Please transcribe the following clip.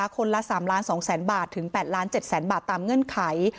คนละ๓๒๐๐๐๐บาทถึง๘๗๐๐บาทตามเงื่อนไข